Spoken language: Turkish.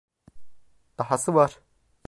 Dahası var.